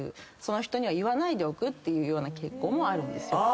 その人には言わないでおくっていうような傾向もあるんです。